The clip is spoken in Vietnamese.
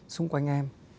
xung quanh em